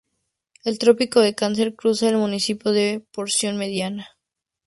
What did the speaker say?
El trópico de cáncer cruza el municipio en su porción media.